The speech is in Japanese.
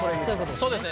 そうですね